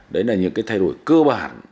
đấy là những cái thay đổi cơ bản